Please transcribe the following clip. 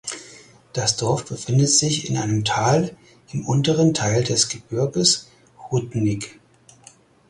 Das Dorf befindet sich in einem Tal im unteren Teil des Gebirges Rudnik.